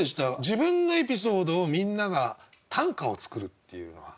自分のエピソードをみんなが短歌を作るっていうのは。